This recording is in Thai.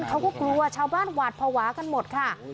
เขาก็กลัวชาวบ้านหวาดภาวะกันหมดค่ะ